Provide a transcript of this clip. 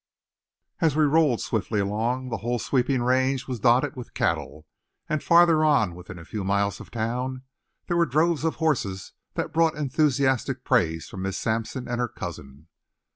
As we rolled swiftly along, the whole sweeping range was dotted with cattle, and farther on, within a few miles of town, there were droves of horses that brought enthusiastic praise from Miss Sampson and her cousin.